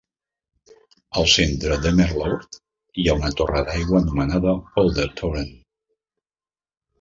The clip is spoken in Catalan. Al centre d'Emmeloord, hi ha una torre d'aigua anomenada Poldertoren.